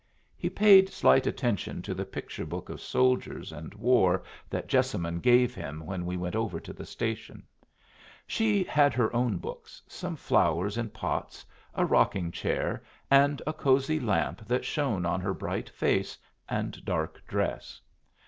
He paid slight attention to the picture book of soldiers and war that Jessamine gave him when we went over to the station. She had her own books, some flowers in pots, a rocking chair, and a cosey lamp that shone on her bright face and dark dress.